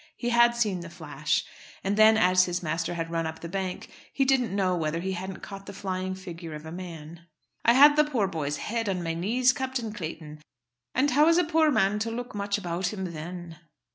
He had seen the flash. And then, as his master had run up the bank, he didn't know whether he hadn't caught the flying figure of a man. "I had the poor boy's head on my knees, Captain Clayton; and how is a poor man to look much about him then?"